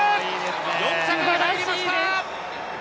４着に入りました。